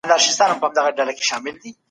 ایا په مېلمه پالنه کي د مېوو وړاندي کول ښه دي؟